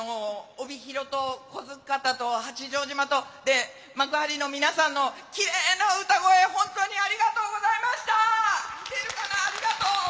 帯広と、不来方と、八丈島と幕張の皆さんのキレイな歌声、本当にありがとうございました。